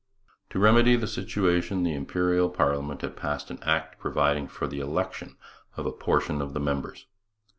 To remedy the situation the Imperial parliament had passed an Act providing for the election of a portion of the members.